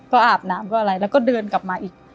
ก็อาบน้ำก็อะไรแล้วก็เดินกลับมาอีก